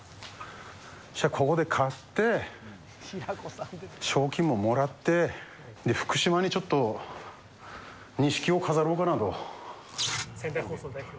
ここで勝って賞金ももらって福島に錦を飾ろうかなと。